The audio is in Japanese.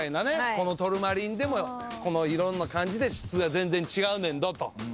このトルマリンでもこの色の感じで質が全然違うねんどと。